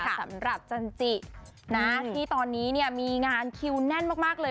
สำหรับจันจินะที่ตอนนี้เนี่ยมีงานคิวแน่นมากเลย